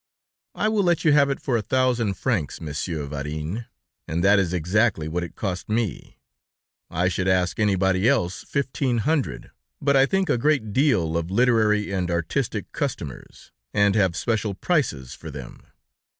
"I will let you have it for a thousand francs, Monsieur Varin, and that is exactly what it cost me. I should ask anybody else fifteen hundred, but I think a great deal of literary and artistic customers, and have special prices for them.